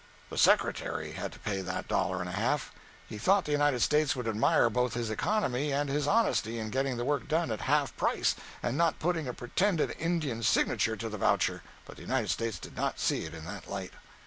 The Secretary had to pay that dollar and a half. He thought the United States would admire both his economy and his honesty in getting the work done at half price and not putting a pretended Indian's signature to the voucher, but the United States did not see it in that light.